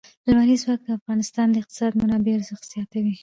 لمریز ځواک د افغانستان د اقتصادي منابعو ارزښت زیاتوي.